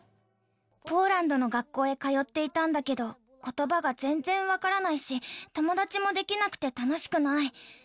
ポーランドの学校へ通っていたんだけど、ことばが全然分からないし、友達も出来なくて楽しくない。